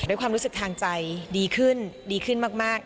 ความรู้สึกทางใจดีขึ้นดีขึ้นมาก